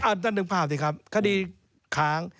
อันนั้นหนึ่งภาพสิครับคดีขาง